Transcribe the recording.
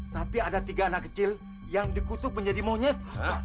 tapi ada tiga anak kecil yang dikutuk menjadi monyet